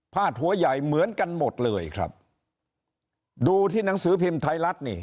หัวใหญ่เหมือนกันหมดเลยครับดูที่หนังสือพิมพ์ไทยรัฐนี่